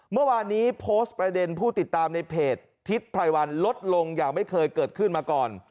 เมื่อวานนี้โพสต์ประเด็นผู้ติดตามในเพจทิศไพรวันลดลงอย่างไม่เคยเกิดขึ้นมาก่อน